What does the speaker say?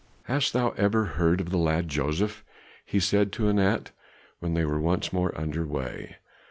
"Hast thou ever heard of the lad Joseph?" he said to Anat, when they were once more under way.